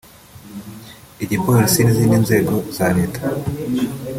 igipolisi n’izindi nzego za Leta